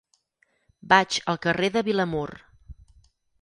Vaig al carrer de Vilamur.